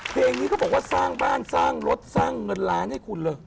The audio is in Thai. เพลงนี้เขาบอกว่าสร้างบ้านสร้างรถสร้างเงินล้านให้คุณเลย